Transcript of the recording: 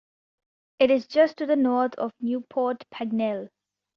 It is just to the north of Newport Pagnell.